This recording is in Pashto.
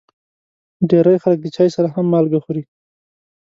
ډېری خلک د چای سره هم مالګه خوري.